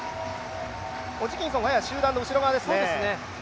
ホジキンソンはやや集団の後ろ側ですね。